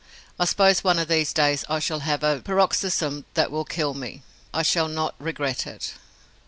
I suppose one of these days I shall have a paroxysm that will kill me. I shall not regret it.